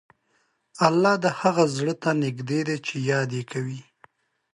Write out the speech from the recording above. الله د هغه زړه ته نږدې دی چې یاد یې کوي.